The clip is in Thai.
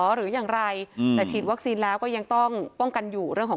หรืออย่างไรแต่ฉีดวัคซีนแล้วก็ยังต้องป้องกันอยู่เรื่องของ